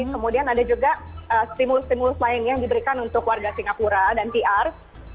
kemudian ada juga stimulus stimulus lainnya yang diberikan untuk warga singapura dan pr